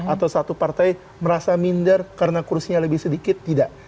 atau satu partai merasa minder karena kursinya lebih sedikit tidak